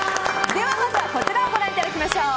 ではまずは、こちらをご覧いただきましょう。